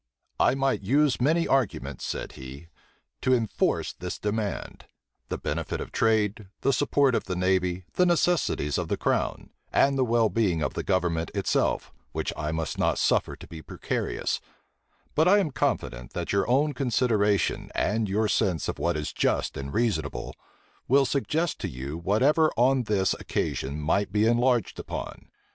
"I might use many arguments," said he, "to enforce this demand; the benefit of trade, the support of the navy, the necessities of the crown, and the well being of the government itself, which I must not suffer to be precarious, but I am confident, that your own consideration, and your sense of what is just and reasonable, will suggest to you whatever on this occasion might be enlarged upon.